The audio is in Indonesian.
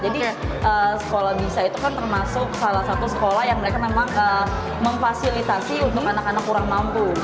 jadi sekolah bisa itu kan termasuk salah satu sekolah yang mereka memang memfasilitasi untuk anak anak kurang mampu